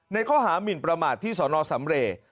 ในข้อหามิลประมาทที่สอนอสำเร